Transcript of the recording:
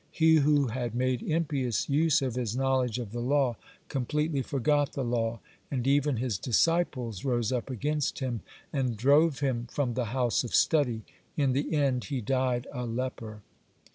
He who had made impious use of his knowledge of the law, completely forgot the law, and even his disciples rose up against him, and drove him from the house of study. In the end he died a leper.